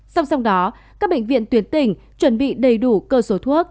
song song đó các bệnh viện tuyến tỉnh chuẩn bị đầy đủ cơ số thuốc